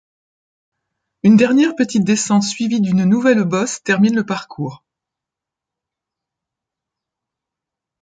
Une dernière petite descente suivie d'une nouvelle bosse termine le parcours.